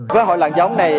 với hội làng giống này